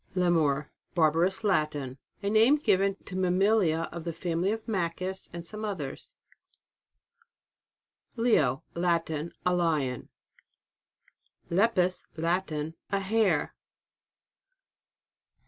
LEMUR. Barbarous Latin. A name given to mammalia of the family of makis and some others. LEO. Latin. A Lion. LEPUS. Latin. A Hare.